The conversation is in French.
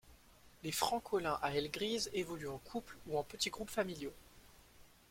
Les francolins à ailes grises évoluent en couples ou en petits groupes familiaux.